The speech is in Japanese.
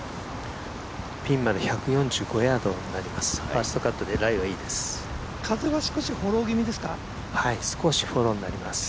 ピンまで１４５ヤードになります。